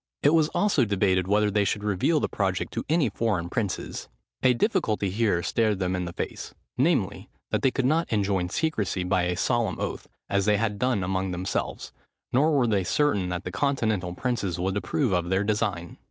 It was also debated whether they should reveal the project to any foreign princes. A difficulty here stared them in the face, namely, that they could not enjoin secresy by a solemn oath, as they had done among themselves: nor were they certain that the continental princes would approve of their design.